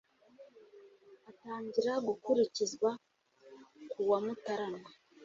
atangira gukurikizwa ku wa mutarama